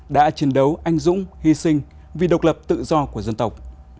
đã chiến đấu anh dũng hy sinh vì độc lập tự do của dân tộc